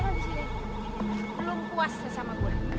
belum puas deh sama gue